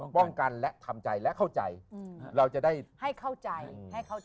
ป้องกันและทำใจและเข้าใจเราจะได้ให้เข้าใจ